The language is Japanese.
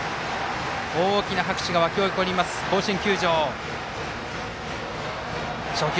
大きな拍手が沸き起こります、甲子園球場。